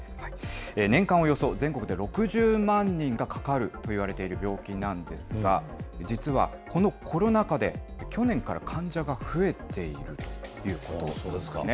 年間およそ全国で６０万人がかかるといわれている病気なんですが、実はこのコロナ禍で、去年から患者が増えているということなんですね。